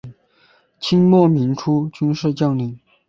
清末民初军事将领。